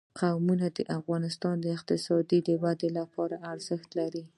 قومونه د افغانستان د اقتصادي ودې لپاره ارزښت لري.